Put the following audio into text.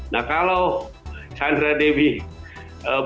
nah kalau sandra dewi bagi